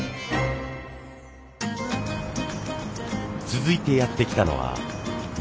続いてやって来たのは新潟市。